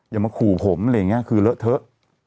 อย่ามาขู่ผมอะไรอย่างนี้คือเลอะเทอะ